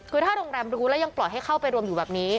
คือถ้าโรงแรมรู้แล้วยังปล่อยให้เข้าไปรวมอยู่แบบนี้